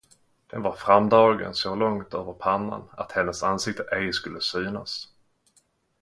Den var framdragen så långt över pannan, att hennes ansikte ej skulle synas.